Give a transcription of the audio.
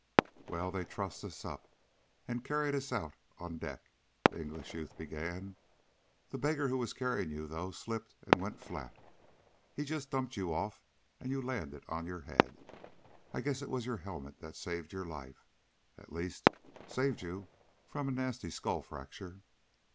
"Well, they trussed us up, and carried us out on deck," the English youth began. "The beggar who was carrying you, though, slipped and went flat. He just dumped you off, and you landed on your head. I guess it was your helmet that saved your life. At least, saved you from a nasty skull fracture.